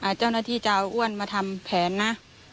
เจ้าหน้าที่จะเอาอ้วนมาทำแผนนะ